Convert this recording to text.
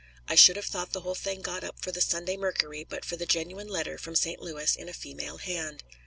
I should have thought the whole thing got up for the Sunday Mercury but for the genuine letter from St. Louis in a female hand.